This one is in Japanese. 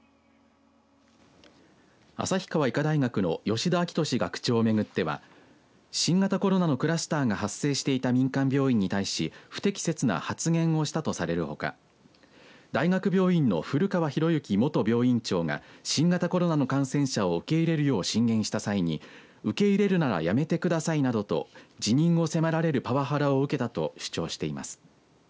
旭川医科大学の吉田晃敏学長をめぐっては新型コロナのクラスターが発生していた民間病院に対し不適切な発言をしたとされるほか大学病院の古川博之元病院長が新型コロナの感染者を受け入れるよう進言した際に受け入れるならやめてくださいなどと辞任を迫られるパワハラを受けたと主張しています。